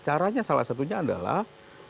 caranya salah satunya adalah